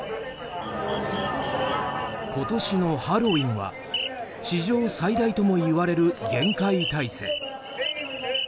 今年のハロウィーンは史上最大ともいわれる厳戒態勢。